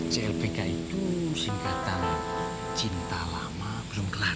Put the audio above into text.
clpk itu singkatan cinta lama belum kelak